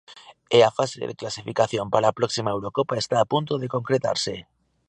E a fase de clasificación para a próxima Eurocopa está a punto de concretarse.